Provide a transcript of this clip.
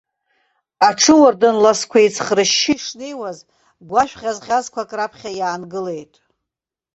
Аҽуардын ласқәа еицхрышьшьы ишнеиуаз гәашә ӷьазӷьазқәак раԥхьа иаангылеит.